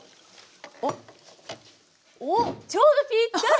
おっちょうどぴったり！